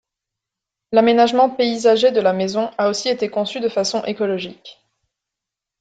L'aménagement paysager de la maison a aussi été conçu de façon écologique.